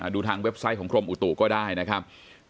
ดูทางเว็บไซต์ของกรมอุตุก็ได้นะครับ